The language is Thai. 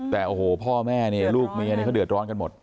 แต่พ่อแม่นี่ลูกเมียเขาเดือดร้อนกันหมด